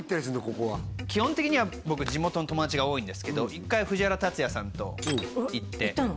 基本的には僕地元の友達が多いんですけど１回藤原竜也さんと行って行ったの？